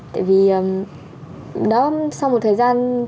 tại vì đó sau một thời gian